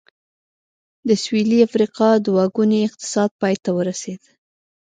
د سوېلي افریقا دوه ګونی اقتصاد پای ته ورسېد.